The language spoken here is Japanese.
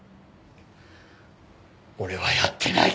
俺はやってない。